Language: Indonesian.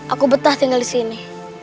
aku betah tinggal di sini